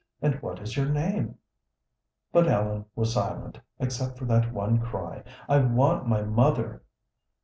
"And what is your name?" But Ellen was silent, except for that one cry, "I want my mother!"